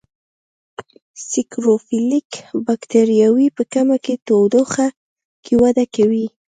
سیکروفیلیک بکټریاوې په کمه تودوخه کې وده کوي.